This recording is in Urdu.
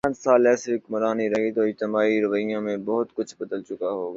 پانچ سال ایسی حکمرانی رہی تو اجتماعی رویوں میں بہت کچھ بدل چکا ہو گا۔